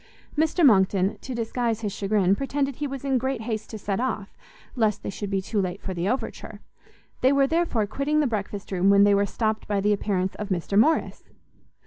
Mr Monckton, to disguise his chagrin, pretended he was in great haste to set off, lest they should be too late for the overture: they were, therefore, quitting the breakfast room, when they were stopt by the appearance of Mr Morrice.